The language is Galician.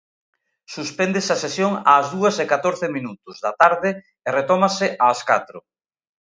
Suspéndese a sesión ás dúas e catorce minutos da tarde e retómase ás catro.